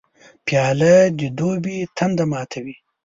پیاله د دوبي تنده ماته کړي.